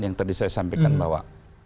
yang tadi saya sampaikan bahwa